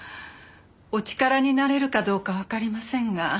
お力になれるかどうかわかりませんが。